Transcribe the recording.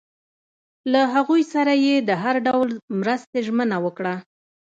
له هغوی سره یې د هر ډول مرستې ژمنه وکړه.